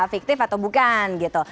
fiktif atau bukan gitu